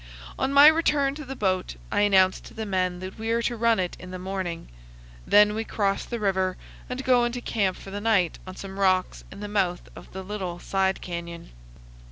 On my return to the boat I announce to the men that we are to run it in the morning. Then we cross the river and go into camp for the night on some rocks in the mouth of the little side canyon.